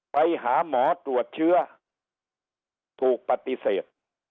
ไปหาหมอตรวจเชื้อถูกปฏิเสธ